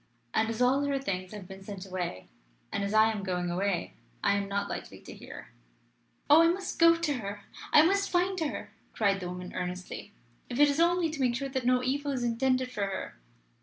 And, as all her things have been sent away, and as I am going away, I am not likely to hear." "Oh I must go to her. I must find her!" cried the woman earnestly; "if it is only to make sure that no evil is intended for her."